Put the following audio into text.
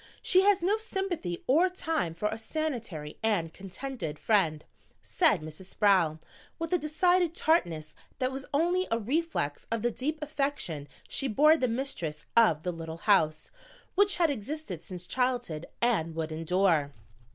She has no sympathy or time for a sanitary and contented friend," said Mrs. Sproul with a decided tartness that was only a reflex of the deep affection she bore the mistress of the Little House, which had existed since childhood and would endure.